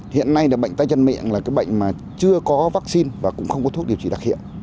hiện nay bệnh tay chân miệng là bệnh chưa có vaccine và cũng không có thuốc điều trị đặc hiện